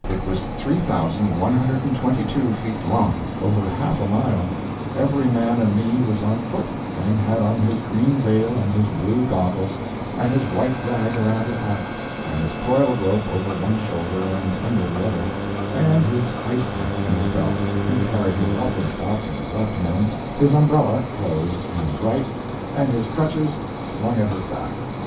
It was 3,122 feet long over half a mile; every man and me was on foot, and had on his green veil and his blue goggles, and his white rag around his hat, and his coil of rope over one shoulder and under the other, and his ice ax in his belt, and carried his alpenstock in his left hand, his umbrella (closed) in his right, and his crutches slung at his back.